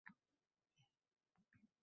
Qarindoshlar xalifaga shikoyat qilishdi